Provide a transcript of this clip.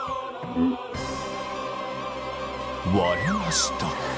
割れました。